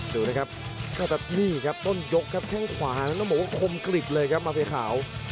ดูนะครับนี่ครับต้นยกครับแข้งขวานั้นต้องบอกว่าคมกริบเลยครับมาเฟย์ขาว